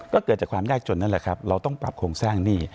ก็เกิดจากความยากจนนั่นแหละครับเราต้องปรับโครงสร้างหนี้